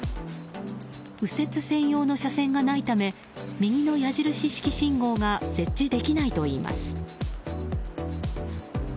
右折専用の車線がないため右の矢印式信号が設置できないといいます。